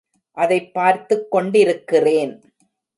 அதைப் பார்த்துக் கொண்டிருக்கிறேன்.